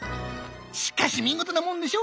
しかし見事なもんでしょ